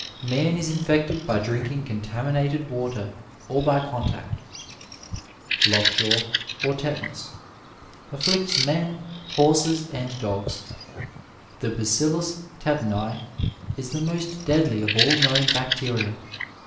Man is infected by drinking contaminated water or by contact. Lockjaw, or Tetanus. — ^Afflicts men, horses, and dogs. The Badllus tetani is the most deadly of all known bacteria.